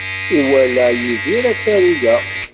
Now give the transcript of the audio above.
Iwala Yidir asaru-a?